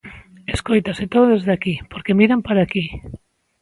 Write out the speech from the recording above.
Escóitase todo desde aquí porque miran para aquí.